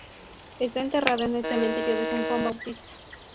Está enterrada en el Cementerio de San Juan Bautista.